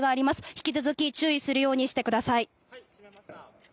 引き続き注意するようにしてください。